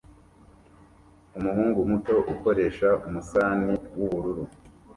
Umuhungu muto ukoresha umusarani w'ubururu